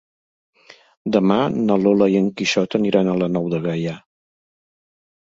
Demà na Lola i en Quixot aniran a la Nou de Gaià.